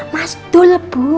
mas dul bu